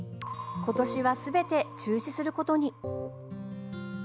今年はすべて中止することに。